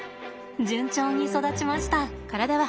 順調に育ちました。